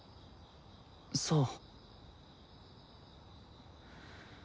そう。